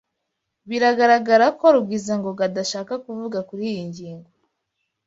Biragaragara ko Rugwizangoga adashaka kuvuga kuriyi ngingo.